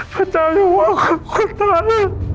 พระเจ้าอย่างว่าของคุณท่าน